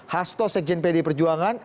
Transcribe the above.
hasto sekjen pd perjuangan